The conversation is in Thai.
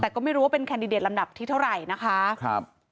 แต่ก็ไม่รู้ว่าเป็นแคนดิเดตลำดับที่เท่าไหร่นะคะครับ